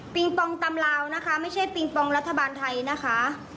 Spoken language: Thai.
ปองตำลาวนะคะไม่ใช่ปิงปองรัฐบาลไทยนะคะ